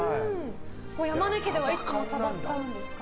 山根家ではいつもサバを使うんですか？